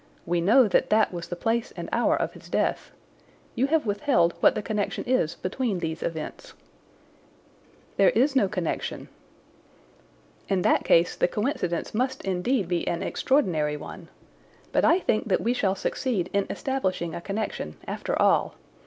We know that that was the place and hour of his death. You have withheld what the connection is between these events." "There is no connection." "In that case the coincidence must indeed be an extraordinary one. But I think that we shall succeed in establishing a connection, after all.